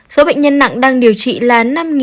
số bệnh nhân nặng đang điều trị là năm chín trăm năm mươi